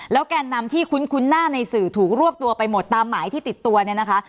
แกนนำที่คุ้นหน้าในสื่อถูกรวบตัวไปหมดตามหมายที่ติดตัวเนี่ยนะคะ